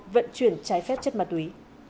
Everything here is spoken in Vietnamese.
vận chuyển trái phép chất ma túy